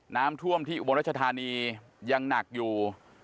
น้ำท่วมที่อุบลรัชธานียังหนักอยู่